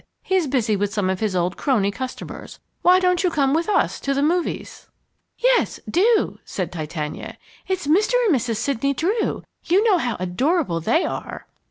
"He's busy with some of his old crony customers. Why don't you come with us to the movies?" "Yes, do," said Titania. "It's Mr. and Mrs. Sidney Drew, you know how adorable they are!"